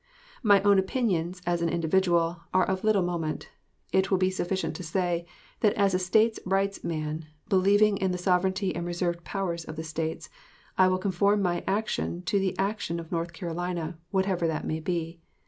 My own opinions, as an individual, are of little moment. It will be sufficient to say, that as a States Rights man, believing in the sovereignty and reserved powers of the States, I will conform my actions to the action of North Carolina, whatever that may be.